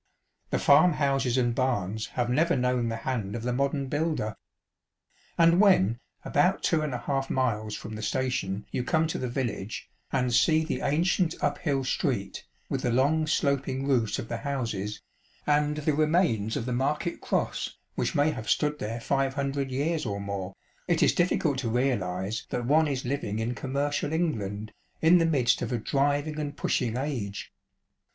The farm houses and barns have never known the hand of the modern builder. And when, about two and a half CH. VI. Al/riston and Wilmmgton. 75 miles from the station, you come to the village, and see the ancient up hill street, with the long sloping roofs of the houses, and the remains of the market cross, which may have stood there five hundred years or more, it is difficult to realise that one is living in commercial England, in the midst of a driving and pushing age.